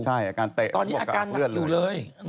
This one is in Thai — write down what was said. ใช่อาการเตะเขาบอกว่ากระอักเลือดแล้วนะ